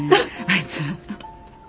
あいつら。